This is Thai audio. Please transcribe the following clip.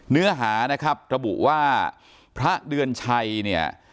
เนื้อหาระครับตระบุว่าพระเดืออลชัย